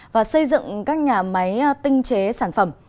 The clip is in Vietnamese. và xây dựng các nhà máy tinh chế sản phẩm